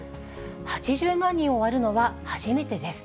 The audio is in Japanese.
８０万人を割るのは初めてです。